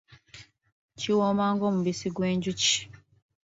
Kiwooma ng’omubisi gw’enjuki